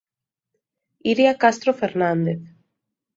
Iria Castro Fernández.